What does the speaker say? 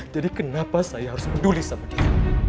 jadi kenapa saya harus peduli sama dia